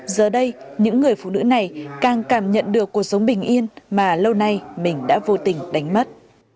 giờ đây những người phụ nữ này càng cảm nhận được cuộc sống bình yên mà lâu nay mình đã vô tình đánh mất